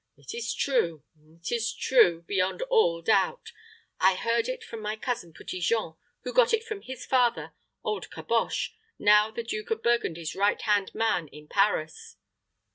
It is true; it is true, beyond all doubt. I had it from my cousin Petit Jean, who got it from his father, old Caboche, now the Duke of Burgundy's right hand man in Paris."